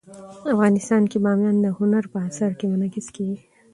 افغانستان کې بامیان د هنر په اثار کې منعکس کېږي.